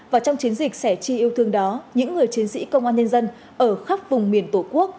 và trong chiến dịch sẻ tri yêu thương đó những người chiến sĩ công an nhân dân ở khắp vùng miền tổ quốc